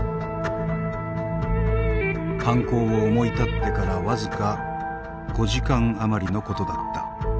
犯行を思い立ってから僅か５時間余りのことだった。